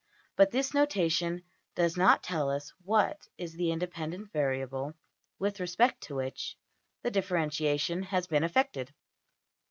But this notation does not tell us what is the independent variable with respect to which the differentiation has been effected.